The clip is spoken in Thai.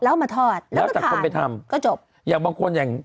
แล้วเอามาทอดแล้วก็ทานก็จบแล้วจากคนไปทำอย่างบางคน